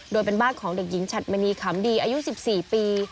โดยเป็นบ้านของเด็กหญิงฉัดมณีขำดีอายุ๑๔ปี